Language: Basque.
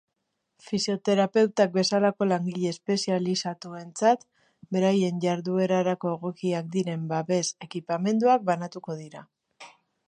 Fisioterapeutak bezalako langile espezializatuentzat, beraien jarduerarako egokiak diren babes ekipamenduak banatuko dira.